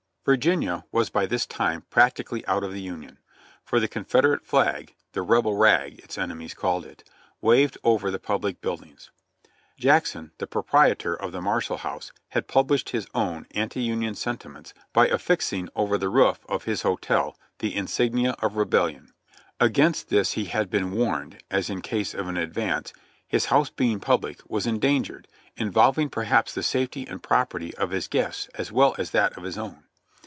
Virginia was by this time practically out of the Union ; for the Confederate flag — "the Rebel rag," its enemies called it — waved over the public buildings. Jackson, the proprietor of the Mar shall House, had published his own anti Union sentiments by affixing over the roof of his hotel the insignia of rebellion. Against this he had been warned, as in case of an advance, his house being public, was endangered, involving perhaps the safety and property of his guests as well as that of his own.